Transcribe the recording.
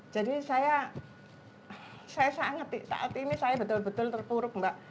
jadi saya sangat saat ini saya betul betul terpuruk mbak